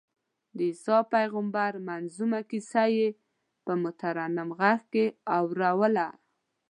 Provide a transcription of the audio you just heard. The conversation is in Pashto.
د عیسی پېغمبر منظمومه کیسه یې په مترنم غږ کې اورووله.